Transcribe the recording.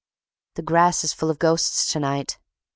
"The grass is full of ghosts to night."